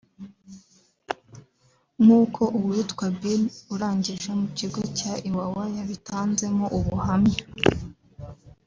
nk’uko uwitwa Bill urangije mu kigo cya i Wawa yabitanzemo ubuhamya